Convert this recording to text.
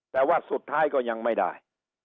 แต่ว่าสุดท้ายก็ยังไม่ได้